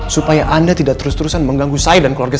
supaya anda tidak terus terusan mengganggu saya dan keluarga